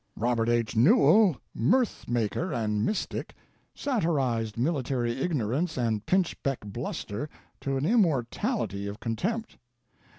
Robert H. Newell, mirthmaker and mystic, satirized military ignorance and pinchbeck bluster to an immortality of contempt.